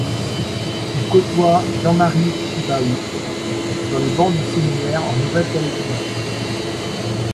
Il côtoie Jean-Marie Tjibaou sur les bancs du séminaire en Nouvelle-Calédonie.